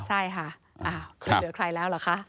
ใช่ค่ะอ่าเดี๋ยวใครแล้วหรอคะ